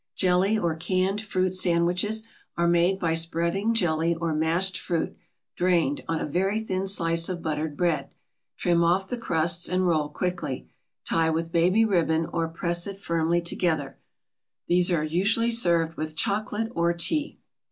JELLY OR CANNED FRUIT SANDWICHES are made by spreading jelly or mashed fruit, drained, on a very thin slice of buttered bread. Trim off the crusts and roll quickly. Tie with baby ribbon, or press it firmly together. These are usually served with chocolate or tea.